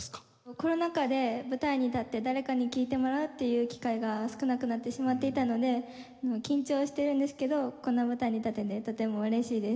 コロナ禍で舞台に立って誰かに聴いてもらうっていう機会が少なくなってしまっていたので緊張しているんですけどこの舞台に立ててとても嬉しいです。